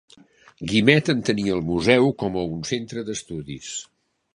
Guimet entenia el museu com a un centre d'estudis.